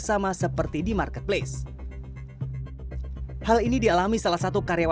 sudah banyak ters pontos menyukai